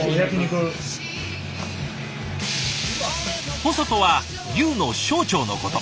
ホソとは牛の小腸のこと。